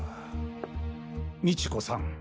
美知子さん